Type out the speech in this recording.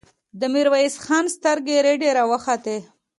د ميرويس خان سترګې رډې راوختې.